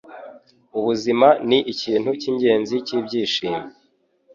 Ubuzima ni ikintu cyingenzi cyibyishimo.